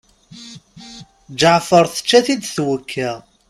Ǧeɛfer tečča-t-id twekka.